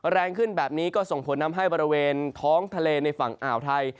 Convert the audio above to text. แรงขึ้นแบบนี้ก็ส่งผลทำให้บริเวณท้องทะเลในฝั่งอ่าวไทย